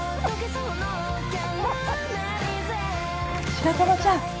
白玉ちゃん